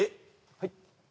はい？